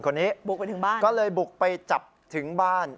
คนนี้บุกไปถึงบ้านก็เลยบุกไปจับถึงบ้าน